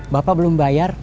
bapak belum bayar